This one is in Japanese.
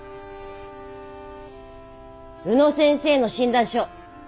宇野先生の診断書。